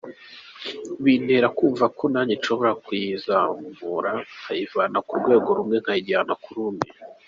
Bintera kumva ko nanjye nshobora kuyizamura nkayivana ku rwego rumwe nkayigeza ku rundi.